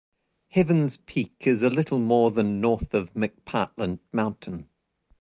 Heavens Peak is a little more than north of McPartland Mountain.